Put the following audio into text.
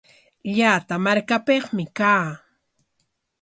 Llata markapikmi kaa.